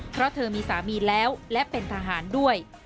เพราะเธอมีสามีแล้วและเป็นทหารด้วย